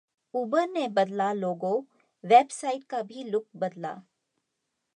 उबर ने बदला 'logo', website का भी लुक बदला